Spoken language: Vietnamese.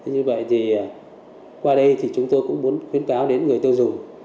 như vậy thì qua đây thì chúng tôi cũng muốn khuyến cáo đến người tiêu dùng